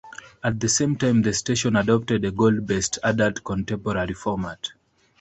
At the same time, the station adopted a gold-based adult contemporary format.